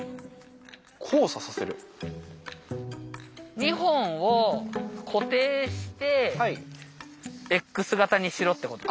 ２本を固定してＸ形にしろってことだよね。